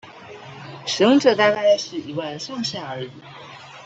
使用者大概是一萬上下而已